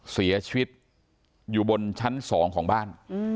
เสียชีวิตอยู่บนชั้น๒ของบ้าน